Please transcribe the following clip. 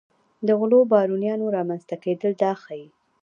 د غلو بارونیانو رامنځته کېدل دا ښيي.